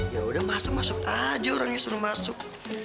yaudah masa masuk aja orang yang suruh masuk